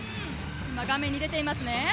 画面に出ていますね。